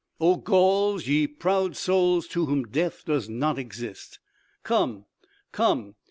"Oh, Gauls! Ye proud souls, to whom death does not exist! Come, come!